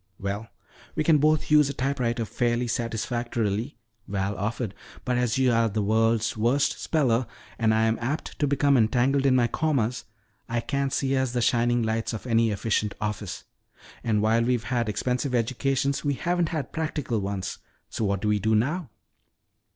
"Well, we can both use a typewriter fairly satisfactorily," Val offered. "But as you are the world's worst speller and I am apt to become entangled in my commas, I can't see us the shining lights of any efficient office. And while we've had expensive educations, we haven't had practical ones. So what do we do now?"